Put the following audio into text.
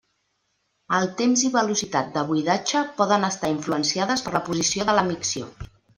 El temps i velocitat de buidatge poden estar influenciades per la posició de la micció.